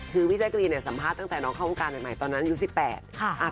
คือพี่แจ๊กรีนเนี่ยสัมภาษณ์ตั้งแต่น้องเข้าวงการใหม่ตอนนั้นอายุ๑๘ค่ะ